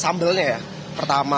rasa sambelnya ya pertama